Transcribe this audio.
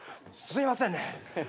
すいませんね。